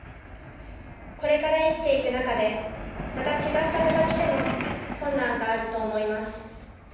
これから生きていく中で、また違った形での困難があると思います。